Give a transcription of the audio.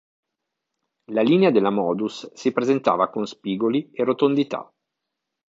La linea della "Modus" si presentava con spigoli e rotondità.